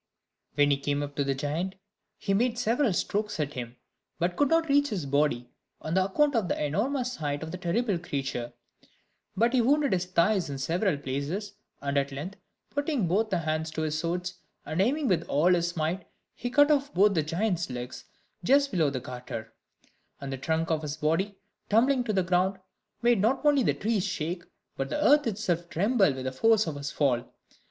When he came up to the giant, he made several strokes at him, but could not reach his body, on account of the enormous height of the terrible creature; but he wounded his thighs in several places; and at length, putting both hands to his sword, and aiming with all his might, he cut off both the giant's legs just below the garter; and the trunk of his body, tumbling to the ground, made not only the trees shake, but the earth itself tremble with the force of his fall.